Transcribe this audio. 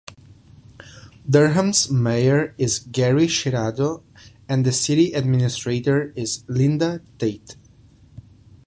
Durham's mayor is Gery Schirado and the city administrator is Linda Tate.